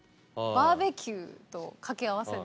バーベキューと掛け合わせられた。